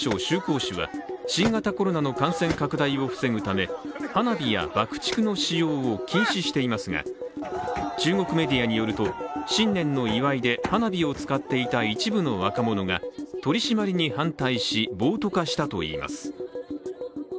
市は新型コロナの感染拡大を防ぐため花火や爆竹の使用を禁止していますが中国メディアによると、新年の祝いで花火を使っていた一部の若者が取り締まりに反対し、暴徒化したといいます。